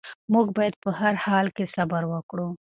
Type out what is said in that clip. موږ باید په هر حال کې صبر وکړو.